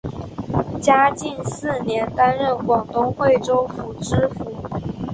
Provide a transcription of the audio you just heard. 嘉靖四年担任广东惠州府知府。